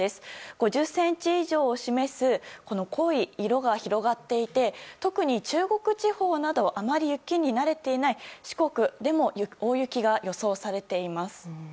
５０ｃｍ以上を示す濃い色が広がっていて特に中国地方などあまり雪に慣れていない四国でも大雪が予想されています。